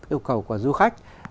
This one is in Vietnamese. yêu cầu của du khách